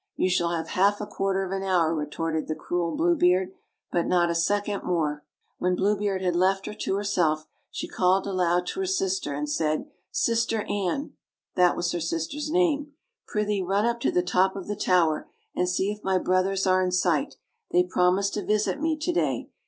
"You shall have half a quarter of an hour," retorted the cruel Blue Beard, "but not a second more." When Blue Beard had left her to herself, she called aloud to her sister, and said, "Sister Anne" (that was her sister's name), "prithee run up to the top of the tower and see if my brothers are in sight; they promised to visit me to day.